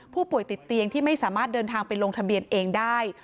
ผู้ป่วยติดเตียงที่ไม่สามารถเดินทางไปลงทะเบียนเองได้